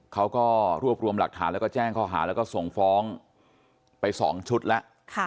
เขาก็รวบรวมหลักฐานแล้วก็แจ้งข้อหาแล้วก็ส่งฟ้องไป๒ชุดแล้ว